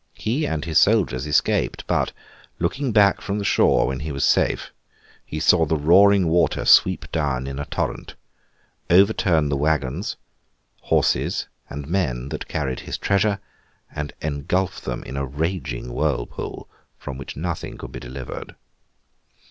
He and his soldiers escaped; but, looking back from the shore when he was safe, he saw the roaring water sweep down in a torrent, overturn the waggons, horses, and men, that carried his treasure, and engulf them in a raging whirlpool from which nothing could be delivered.